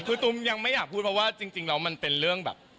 คือตุ้มยังไม่อยากพูดเพราะว่าจริงแล้วมันเป็นเรื่องแบบ